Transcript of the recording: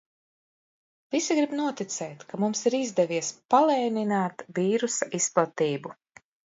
Visi grib noticēt, ka mums ir izdevies palēnināt vīrusa izplatību.